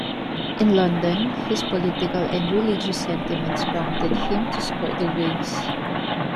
In London, his political and religious sentiments prompted him to support the Whigs.